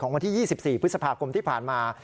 วันที่๒๔พฤษภาคมที่ผ่านมา